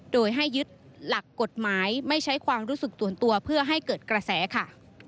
โดยให้ยึดหลักกฎหมายไม่ใช้ความรู้สึกส่วนตัวเพื่อให้เกิดกระแสค่ะ